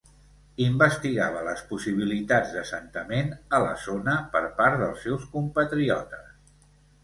Investigava les possibilitats d'assentament a la zona per part dels seus compatriotes.